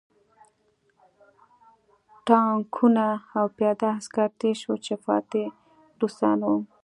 ټانکونه او پیاده عسکر تېر شول چې فاتح روسان وو